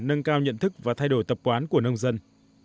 nâng cao nhận thức và thay đổi tập quán của nông dân